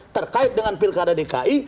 terkait dengan pilkada dki